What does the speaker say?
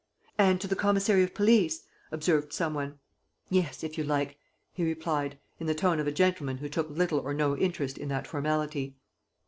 "And to the commissary of police," observed some one. "Yes, if you like," he replied, in the tone of a gentleman who took little or no interest in that formality.